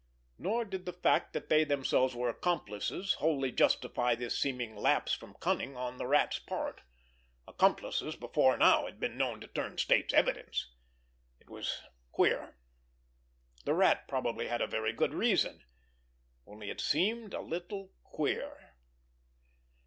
Nor did the fact that they themselves were accomplices wholly justify this seeming lapse from cunning on the Rat's part. Accomplices before now had been known to turn State's evidence! It was queer! The Rat probably had a very good reason—only it seemed a little queer!